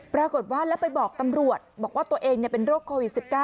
ปรากฏว่าแล้วไปบอกตำรวจบอกว่าตัวเองเป็นโรคโควิด๑๙